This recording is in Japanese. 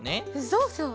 そうそう！